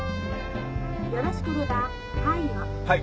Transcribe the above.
よろしければ「はい」を。はい。